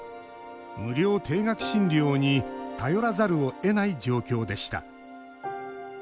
無料低額診療に頼らざるをえない状況でした。